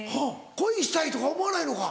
恋したいとか思わないのか。